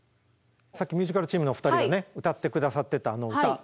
さっきミュージカルチームのお二人が歌って下さってたあの歌。